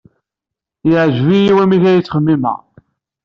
Yeɛjeb-iyi wamek ay ttxemmimeɣ.